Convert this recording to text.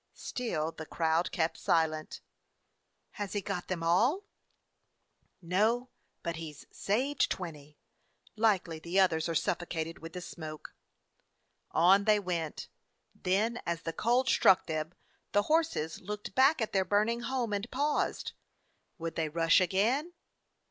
Still the crowd kept silent. "Has he got them all?" 273 DOG HEROES OF MANY LANDS "No, but he 's saved twenty. Likely the others are suffocated with the smoke." On they went ; then, as the cold struck them, the horses looked back at their burning home and paused. Would they rush again?